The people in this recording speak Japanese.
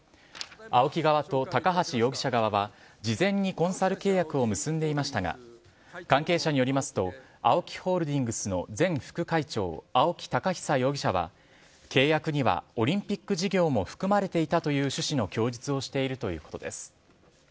ＡＯＫＩ側と高橋容疑者側は事前にコンサル契約を結んでいましたが関係者によりますとＡＯＫＩホールディングスの前副会長青木宝久容疑者は契約にはオリンピック事業も含まれていたという趣旨の供述をしているということです。